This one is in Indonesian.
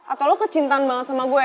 atau lo kecintaan banget sama gue